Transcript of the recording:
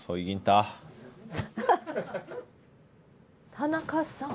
田中さん。